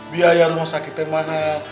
biaya rumah sakit te mahal